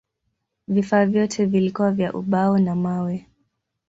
Vifaa vyote vilikuwa vya ubao na mawe.